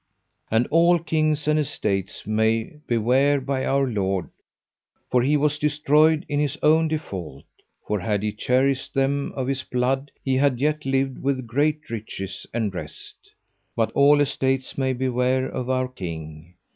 And all kings and estates may beware by our lord, for he was destroyed in his own default; for had he cherished them of his blood he had yet lived with great riches and rest: but all estates may beware by our king.